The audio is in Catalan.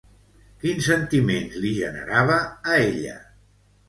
Quins sentiments li generava a ella?